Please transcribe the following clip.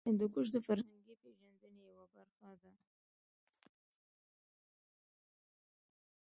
هندوکش د فرهنګي پیژندنې یوه برخه ده.